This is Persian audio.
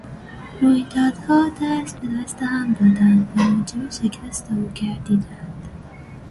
رویدادها دست به دست هم دادند و موجب شکست او گردیدند.